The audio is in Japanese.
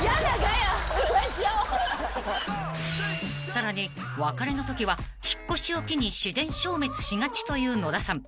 ［さらに別れのときは引っ越しを機に自然消滅しがちという野田さん］